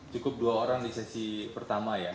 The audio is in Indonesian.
cukup dua orang di sesi pertama ya